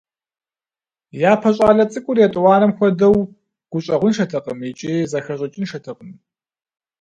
Япэ щӏалэ цӏыкӏур етӏуанэм хуэдэу гущӏэгъуншэтэкъым икӏи зэхэщӏыкӏыншэтэкъым.